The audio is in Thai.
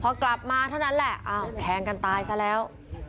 พอกลับมาเท่านั้นแหละอ้าวแทงกันตายซะแล้ว